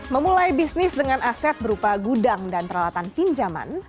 memulai bisnis dengan aset berupa gudang dan peralatan pinjaman